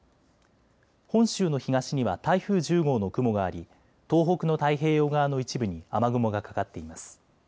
本州の東には台風１０号の雲があり東北の太平洋側の一部に雨雲がかかっています。